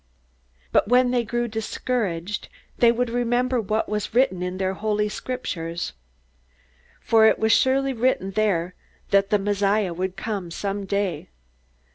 But when they grew discouraged, they would remember what was written in their Holy Scriptures. For it was surely written there that the Messiah would come someday.